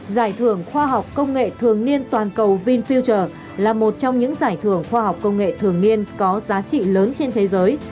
giải thưởng khoa học công nghệ thường niên toàn cầu vinfielter là một trong những giải thưởng khoa học công nghệ thường niên có giá trị lớn trên thế giới